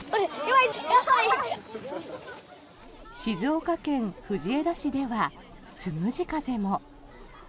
静岡県藤枝市ではつむじ風も。